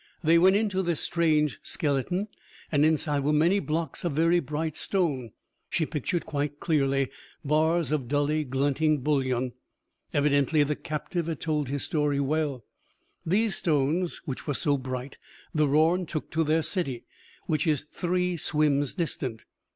They went into this strange skeleton, and inside were many blocks of very bright stone." She pictured quite clearly bars of dully glinting bullion. Evidently the captive had told his story well. "These stones, which were so bright, the Rorn took to their city, which is three swims distant."